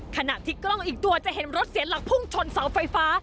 ขณะที่กล้องอีกตัวจะเห็นรถเสียหลักพุ่งชนเสาไฟฟ้า